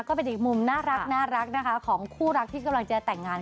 ก็เป็นอีกมุมน่ารักนะคะของคู่รักที่กำลังจะแต่งงาน